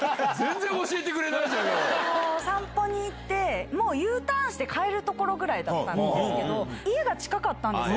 散歩に行って、もうＵターンして帰るところぐらいだったんですけど、家が近かったんです。